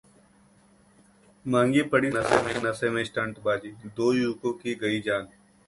महंगी पड़ी शराब के नशे में स्टंटबाजी, दो युवकों की गई जान